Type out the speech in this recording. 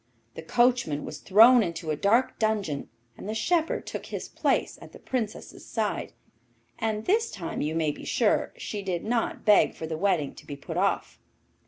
The coachman was thrown into a dark dungeon, and the shepherd took his place at the Princess's side, and this time, you may be sure, she did not beg for the wedding to be put off.